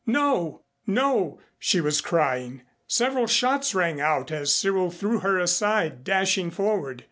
"No, no," she was crying. Several shots rang out as Cyril threw her aside, dashing forward.